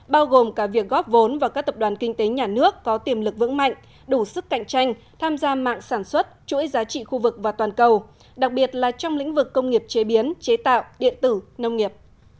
bao gồm cả việc góp vốn vào các tập đoàn kinh tế nhà nước có tiềm lực vững mạnh đủ sức cạnh tranh tham gia mạng sản xuất chuỗi giá trị khu vực và toàn cầu đặc biệt là trong lĩnh vực công nghiệp chế biến chế tạo điện tử nông nghiệp